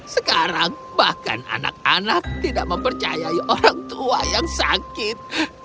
sekarang bahkan anak anak tidak mempercayai orang tua yang sakit